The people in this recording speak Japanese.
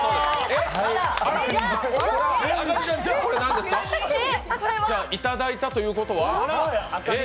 えっ、これはいただいたということは？